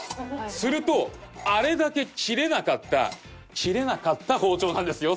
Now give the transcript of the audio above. するとあれだけ切れなかった切れなかった包丁なんですよ。